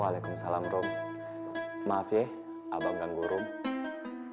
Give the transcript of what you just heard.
waalaikumsalam rom maaf ya abang ganggu rom